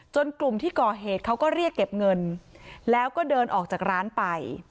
กลุ่มที่ก่อเหตุเขาก็เรียกเก็บเงินแล้วก็เดินออกจากร้านไป